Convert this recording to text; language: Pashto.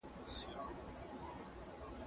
هغه هلک چي هلته ناست دی زما ورور دی.